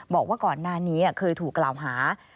บอกว่าก่อนหน้านี้เคยถูกกล่าวหา